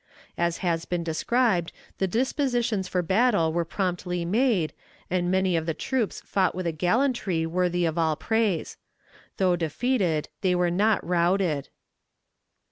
As has been described, the dispositions for battle were promptly made, and many of the troops fought with a gallantry worthy of all praise. Though defeated, they were not routed.